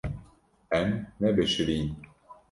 Em nebişirîn.